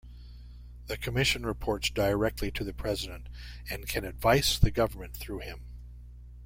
The commission reports directly to the President and can advice the Government through him.